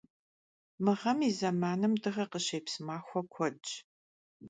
Mı ğem yi zemanım dığer khışêps maxue kuedş.